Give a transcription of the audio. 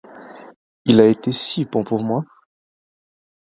Il a été si bon pour moi!